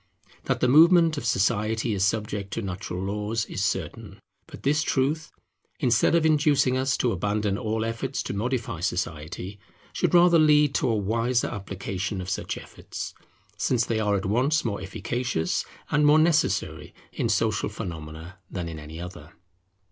That the movement of society is subject to natural laws is certain; but this truth, instead of inducing us to abandon all efforts to modify society, should rather lead to a wiser application of such efforts, since they are at once more efficacious, and more necessary in social phenomena than in any other.